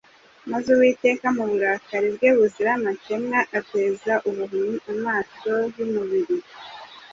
maze Uwiteka mu burakari bwe buzira amakemwa ateza ubuhumyi amaso y’umubiri